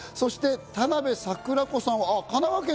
そして田邊桜子さん。